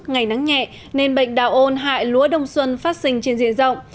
ngày nắng nhẹ nên bệnh đào ôn hại lúa đông xuân phát sinh trên diện rộng